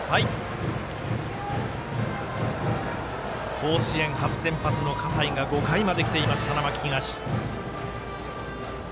甲子園初先発の葛西が５回まできています、花巻東。